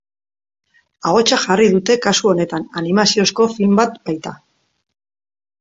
Ahotsa jarri dute kasu honetan, animaziozko film bat baita.